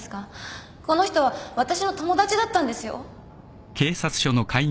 この人は私の友達だったんですよ。